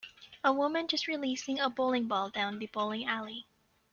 A woman just releasing a bowling ball down the bowling alley.